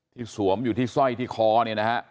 ที่สวมอยู่ที่ส้อยที่คอนะ